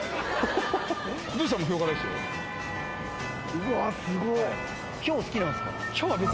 うわっすごい！